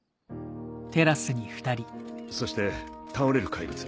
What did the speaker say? そして倒れる怪物。